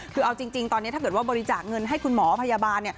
คือเอาจริงตอนนี้ถ้าเกิดว่าบริจาคเงินให้คุณหมอพยาบาล